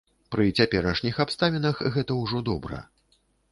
Пры цяперашніх абставінах гэта ўжо добра.